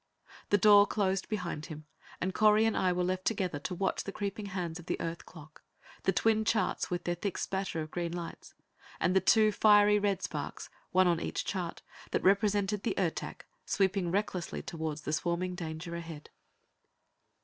The door closed behind him, and Correy and I were left together to watch the creeping hands of the Earth clock, the twin charts with their thick spatter of green lights, and the two fiery red sparks, one on each chart, that represented the Ertak sweeping recklessly towards the swarming danger ahead.